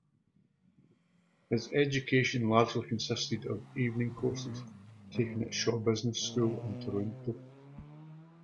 His education largely consisted of evening courses taken at Shaw Business School in Toronto.